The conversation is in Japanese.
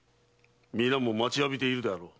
皆も待ちわびているであろう。